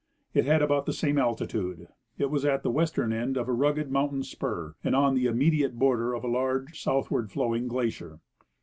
It had about the same altitude ; it was at the western end of a rugged moun tain spur, and on the immediate border of a large southward flowing glacier.